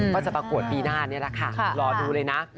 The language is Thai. ประกวดปีหน้านี่แหละค่ะรอดูเลยนะ